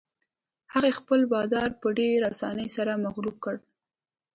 هغې خپل بادار په ډېرې اسانۍ سره مغلوب کړ.